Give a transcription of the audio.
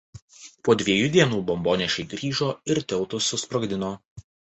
Po dviejų dienų bombonešiai grįžo ir tiltus susprogdino.